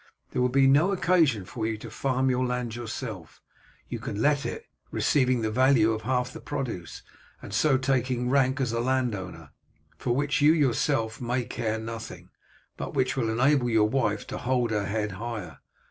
There will be no occasion for you to farm your land yourself, you can let it, receiving the value of half the produce, and so taking rank as a landowner, for which you yourself may care nothing, but which will enable your wife to hold her head higher."